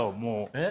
えっ？